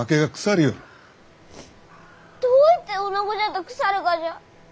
どういておなごじゃと腐るがじゃ？